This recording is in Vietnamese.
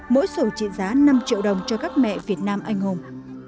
mỗi sổ trị giá năm triệu đồng cho các mẹ việt nam anh hùng